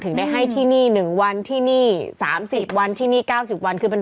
ถึงได้ให้ที่นี่หนึ่งวันที่นี่๓๐วันที่นี่๙๐วัน